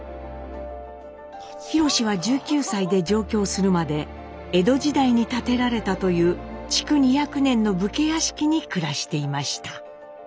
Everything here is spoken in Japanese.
ひろしは１９歳で上京するまで江戸時代に建てられたという築２００年の武家屋敷に暮らしていました。